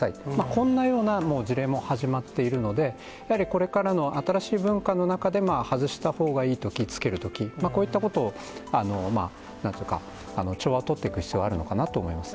こんなような事例も始まっているので、やはりこれからの新しい文化の中で、外したほうがいいとき、着けるとき、こういったことをなんというか、調和を取っていく必要はあるのかなと思いますね。